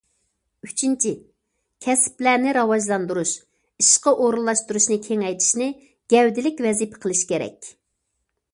ئۈچىنچى، كەسىپلەرنى راۋاجلاندۇرۇش، ئىشقا ئورۇنلاشتۇرۇشنى كېڭەيتىشنى گەۋدىلىك ۋەزىپە قىلىش كېرەك.